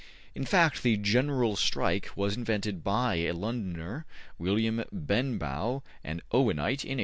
'' In fact the General Strike was invented by a Londoner William Benbow, an Owenite, in 1831.